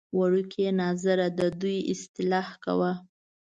وړکیه ناظره ددوی اصلاح کوه.